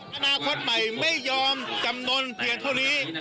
อนาคตใหม่ไม่ยอมจำนวนเพียงเท่านี้